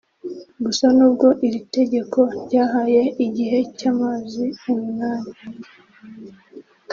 Gusa nubwo iri tegeko ryahaye igihe cy’amazi umunani